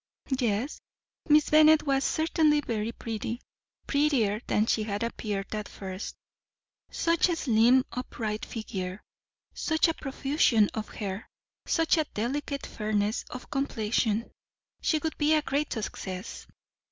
Yes, Miss Bennet was certainly very pretty, prettier than she had appeared at first such a slim, upright figure, such a profusion of hair, such a delicate fairness of complexion; she would be a great success!